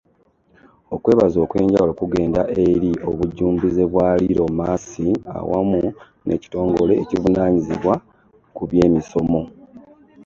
Okwebaza okw’enjawulo kugenda eri obujjumbize bwa Lilo Massing awamu n’ekitongole ekivunanyizibwa ku byemisomo.